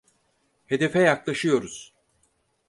Hedefe yaklaşıyoruz.